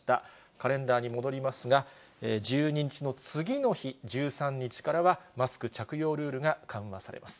カレンダーに戻りますが、１２日の次の日、１３日からは、マスク着用ルールが緩和されます。